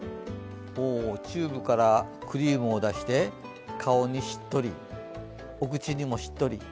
チューブからクリームを出して、顔にしっとり、お口にもしっとり。